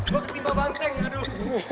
sam gue ketimba banteng aduh